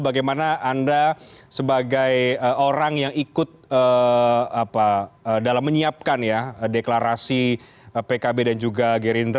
bagaimana anda sebagai orang yang ikut dalam menyiapkan ya deklarasi pkb dan juga gerindra